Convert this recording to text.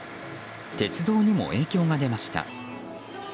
鉄道にも影響が出ました。